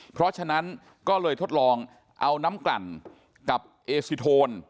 เพราะฉะนั้นก็เลยทดลองเอาน้ำกลั่นกับเอซิโทน